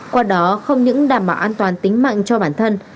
qua đó không những đảm bảo an toàn tính mạng cho bản thân